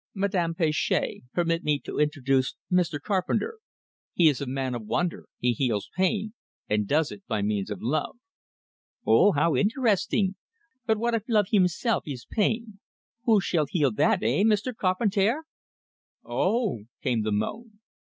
"Madame Planchet, permit me to introduce Mr. Carpenter. He is a man of wonder, he heals pain, and does it by means of love." "Oh, how eenteresting! But what eef love heemself ees pain who shall heal that, eh, Meester Carpentair?" "O o o o o o o o h!" came the moan.